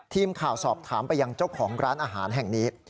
ทีมข่าวสอบถามไปยังเจ้าของร้านอาหารแห่งนี้